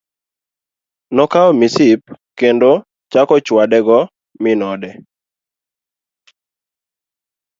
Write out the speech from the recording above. Nokawo misip kendo chako chwade go min ode.